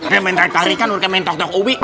dia main tarik tarikan bukan main tok tok ubi